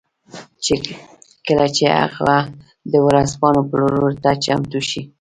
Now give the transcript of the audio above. کله چې هغه د ورځپاڼو پلورلو ته چمتو شي